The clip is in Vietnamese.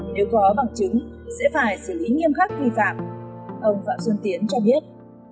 nếu có bằng chứng sẽ phải xử lý nghiêm khắc vi phạm ông phạm xuân tiến cho biết